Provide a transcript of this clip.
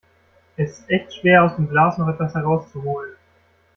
Es ist echt schwer, aus dem Glas noch etwas herauszuholen.